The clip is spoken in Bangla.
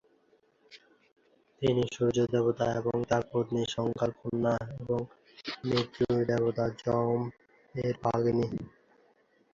তিনি সূর্য দেবতা এবং তার পত্নী সংজ্ঞার কন্যা এবং মৃত্যুর দেবতা যম এর ভগিনী।